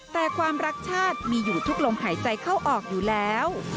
แต่ความรักชาติมีอยู่ทุกลมหายใจเข้าออกอยู่แล้ว